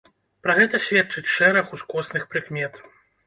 Пра гэта сведчыць шэраг ускосных прыкмет.